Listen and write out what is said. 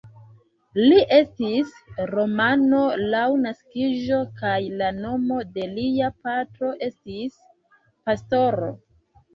Li estis romano laŭ naskiĝo, kaj la nomo de lia patro estis Pastor.